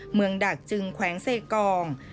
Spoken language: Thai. เมืองดักจึงแขวงเสกอง